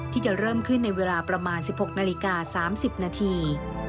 ที่จะเริ่มขึ้นในเวลาประมาณ๑๖นาฬิกา๓๐นาที